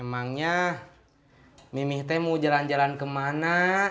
emangnya mimih teh mau jalan jalan kemana